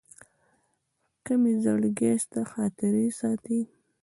که مي زړګي ستا خاطرې ساتي